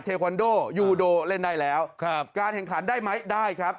เทควันโดยูโดเล่นได้แล้วครับการแข่งขันได้ไหมได้ครับ